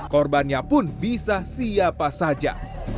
korbannya pun bisa siapa saja